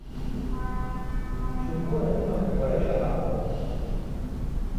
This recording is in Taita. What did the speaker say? Chumbo radima kuhoresha makongo